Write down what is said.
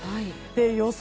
予想